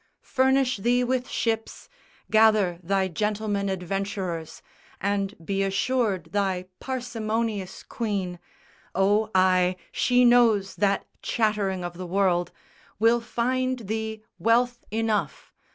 Furnish thee with ships, Gather thy gentleman adventurers, And be assured thy parsimonious queen Oh ay, she knows that chattering of the world Will find thee wealth enough.